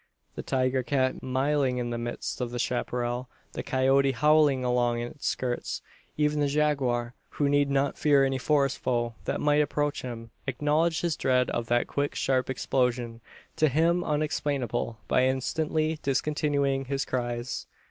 The tiger cat miaulling in the midst of the chapparal, the coyote howling along its skirts; even the jaguar who need not fear any forest foe that might approach him, acknowledged his dread of that quick, sharp explosion to him unexplainable by instantly discontinuing his cries.